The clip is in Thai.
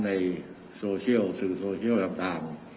ในสื่อโซเชียลทางตาม